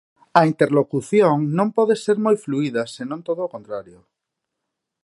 A interlocución non pode ser moi fluída, senón todo o contrario.